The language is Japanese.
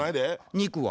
肉は？